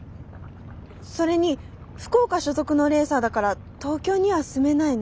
それに福岡所属のレーサーだから東京には住めないな。